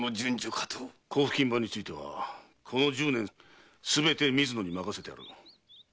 甲府勤番についてはこの十年すべて水野に任せてある。